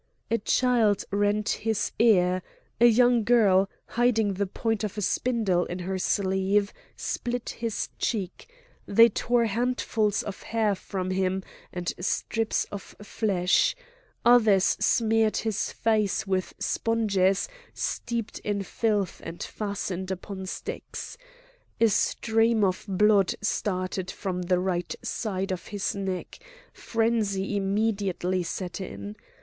A child rent his ear; a young girl, hiding the point of a spindle in her sleeve, split his cheek; they tore handfuls of hair from him and strips of flesh; others smeared his face with sponges steeped in filth and fastened upon sticks. A stream of blood started from the right side of his neck, frenzy immediately set in.